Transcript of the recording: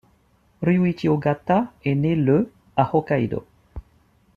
Ryuichi Ogata est né le à Hokkaido.